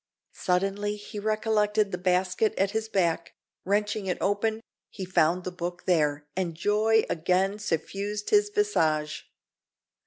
Suddenly he recollected the basket at his back: wrenching it open, he found the book there, and joy again suffused his visage.